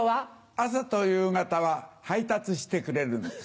朝と夕方は配達してくれるんです。